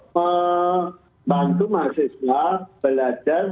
membantu mahasiswa belajar